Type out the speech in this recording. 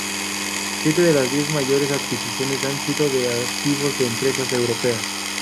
Siete de las diez mayores adquisiciones han sido de activos de empresas europeas.